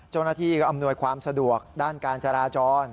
เจ้าหน้าที่ก็อำนวยความสะดวกด้านการจราจร